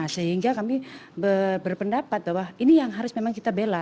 sehingga kami berpendapat bahwa ini yang harus memang kita bela